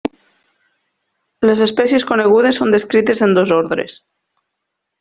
Les espècies conegudes són descrites en dos ordres.